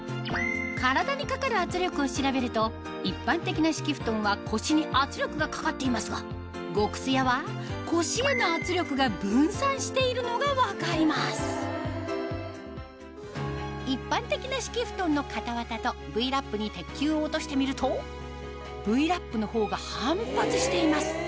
体にかかる圧力を調べると一般的な敷布団は腰に圧力がかかっていますが極すやは腰への圧力が分散しているのが分かります一般的な敷布団の固わたとＶ−Ｌａｐに鉄球を落としてみるとＶ−Ｌａｐのほうが反発しています